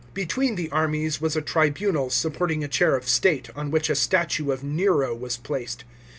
Between the armies was a tribunal supporting a chair of state, on which a statue of Nero was placed.